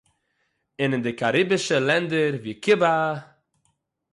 און אין די קאַריבישע לענדער, ווי קובאַ